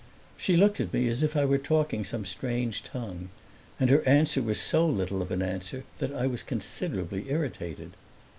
She looked at me as if I were talking some strange tongue, and her answer was so little of an answer that I was considerably irritated.